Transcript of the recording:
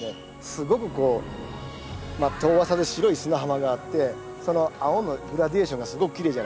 すごくこう遠浅で白い砂浜があってその青のグラデーションがすごくきれいじゃないですか。